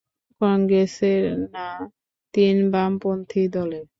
কংগ্রেসের না তিন বামপন্থী দলের?